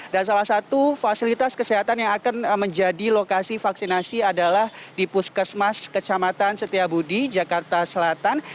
dan salah satu fasilitas kesehatan yang akan menjadi lokasi vaksinasi adalah di puskesmas kecamatan setiabudi jakarta selatan